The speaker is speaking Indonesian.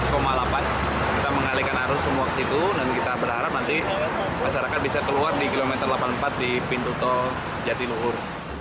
kita mengalihkan arus semua ke situ dan kita berharap nanti masyarakat bisa keluar di kilometer delapan puluh empat di pintu tol jatiluhur